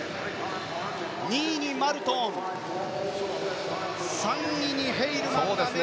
２位にマルトン３位にヘイルマンが入った。